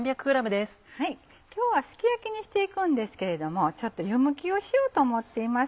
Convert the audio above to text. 今日はすき焼きにしていくんですけれどもちょっと湯むきをしようと思っています。